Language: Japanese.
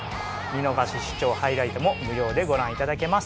見逃し視聴ハイライトも無料でご覧頂けます。